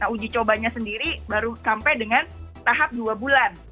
uji coba baru sampai dengan tahap dua bulan